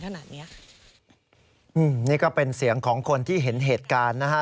นี่ก็เป็นเสียงของคนที่เห็นเหตุการณ์นะฮะ